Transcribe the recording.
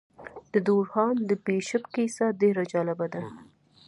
د دورهام د بیشپ کیسه ډېره جالبه ده.